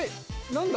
何だ？